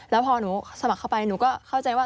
แล้วพอหนูสมัครเข้าไปหนูก็เข้าใจว่า